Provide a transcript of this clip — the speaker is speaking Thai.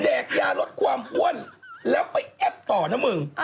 แดกยารดความอ่วนแล้วไปแอ๊บตอน่ะมึง